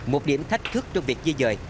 một điểm thách thức trong việc di dợi